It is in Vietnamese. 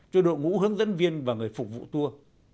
cho đội ngũ hướng dẫn viên và người phục vụ tour